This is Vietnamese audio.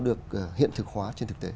được hiện thực hóa trên thực tế